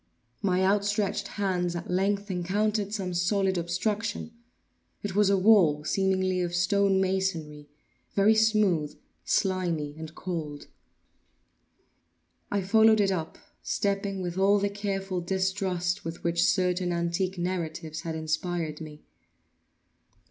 My outstretched hands at length encountered some solid obstruction. It was a wall, seemingly of stone masonry—very smooth, slimy, and cold. I followed it up; stepping with all the careful distrust with which certain antique narratives had inspired me.